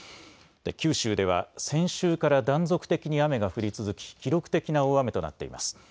九州では先週から断続的に雨が降り続き記録的な大雨となっています。